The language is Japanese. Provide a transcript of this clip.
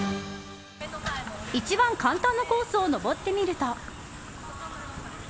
一番簡単なコースを登ってみると。